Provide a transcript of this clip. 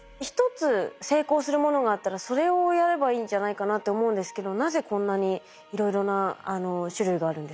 １つ成功するものがあったらそれをやればいいんじゃないかなって思うんですけどなぜこんなにいろいろな種類があるんですか？